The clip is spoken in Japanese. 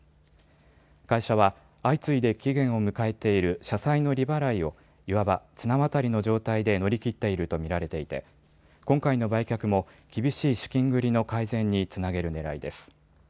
会社は相次いで期限を迎えている社債の利払いをいわば綱渡りの状態で乗り切っていると見られていて今回の売却も厳しい資金繰りの改善につなげるねらいです。